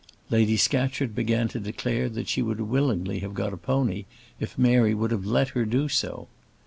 Lady Scatcherd began to declare that she would willingly have got a pony if Mary would have let her do so.